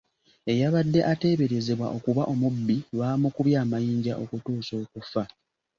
Eyabadde ateeberezebwa okuba omubbi baamukubye amayinja okutuusa okufa.